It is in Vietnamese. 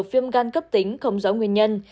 viêm gan cấp tính không rõ nguyên nhân